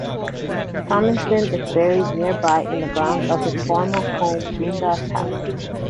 Tomison is buried nearby in the grounds of his former home, Dundas House.